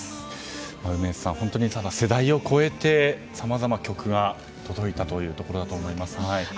梅津さん、本当にただ世代を超えてさまざまな曲が届いたというところだと思います。